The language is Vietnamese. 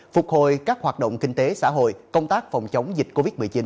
phục hồi các hoạt động kinh tế xã hội công tác phòng chống dịch covid một mươi chín